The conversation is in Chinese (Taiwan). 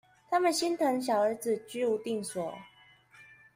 他們心疼小兒子居無定所